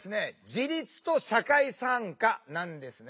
自立と社会参加なんですね。